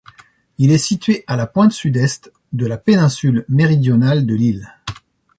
Il est situé à la pointe sud-est de la péninsule méridionale de l'île.